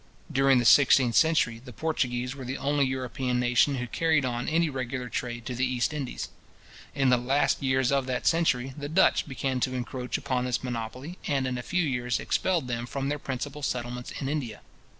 During the sixteenth century, the Portuguese were the only European nation who carried on any regular trade to the East Indies. In the last years of that century, the Dutch began to encroach upon this monopoly, and in a few years expelled them from their principal settlements in India.